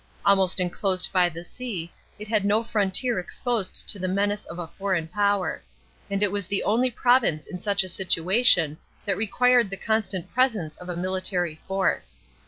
Almost enclosed by the sea, it had' no frontier exposed to the menace of a foreign power; and it was the only province in such a situation that required the constant presence of a military force.